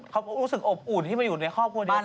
เขารู้สึกอบอุ่นที่มาอยู่ในครอบครัวนี้